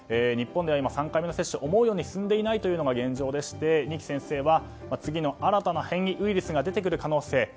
日本では３回目の接種が思うように進んでいないのが現状でして、二木先生は次の新たな変異ウイルスが出てくる可能性。